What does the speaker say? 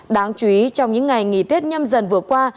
đáng chú ý trong những ngày nghỉ tết nhâm dần vừa qua